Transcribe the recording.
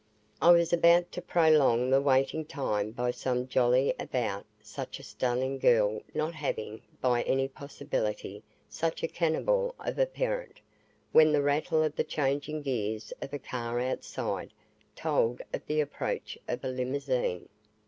I was about to prolong the waiting time by some jolly about such a stunning girl not having by any possibility such a cannibal of a parent, when the rattle of the changing gears of a car outside told of the approach of a limousine.